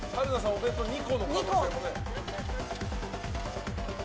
お弁当２個の可能性もね。